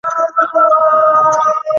ঠিক আছে, সোকস, এখন সূত্রটা বলো।